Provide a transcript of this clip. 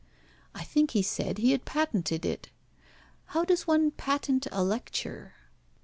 I think he said he had patented it. How does one patent a lecture?"